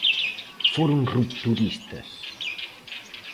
Foron rupturistas.